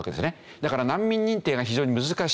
だから難民認定が非常に難しい。